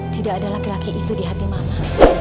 tidak ada laki laki itu di hati mama